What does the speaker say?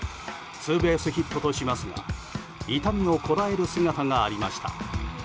ツーベースヒットとしますが痛みをこらえる姿がありました。